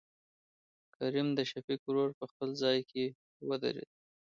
کريم دشفيق ورور په خپل ځاى کې ودرېد.